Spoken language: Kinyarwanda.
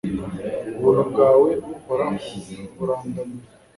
ubuntu bwawe Uhoraho burandamira